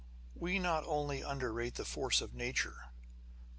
We not only underrate the force of nature, and m?